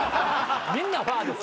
みんなファーです。